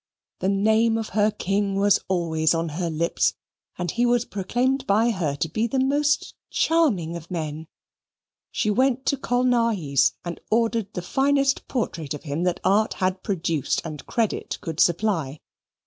The name of her king was always on her lips, and he was proclaimed by her to be the most charming of men. She went to Colnaghi's and ordered the finest portrait of him that art had produced, and credit could supply.